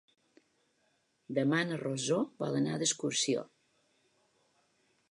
Demà na Rosó vol anar d'excursió.